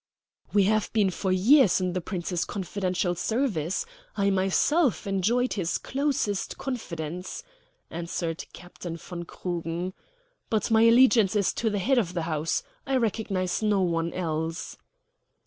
"We have been for years in the Prince's confidential service; I myself enjoyed his closest confidence," answered Captain von Krugen. "But my allegiance is to the head of the house. I recognize no one else."